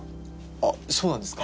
あっそうなんですか？